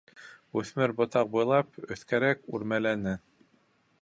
Үҫмер ботаҡ буйлап өҫкәрәк үрмәләне.